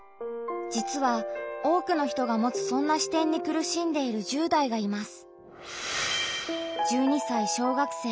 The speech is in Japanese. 実は多くの人が持つそんな視点に苦しんでいる１０代がいます。